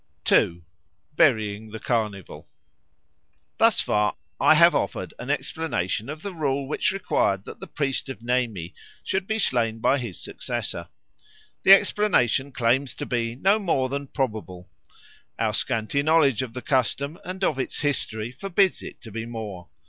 2. Burying the Carnival THUS far I have offered an explanation of the rule which required that the priest of Nemi should be slain by his successor. The explanation claims to be no more than probable; our scanty knowledge of the custom and of its history forbids it to be more.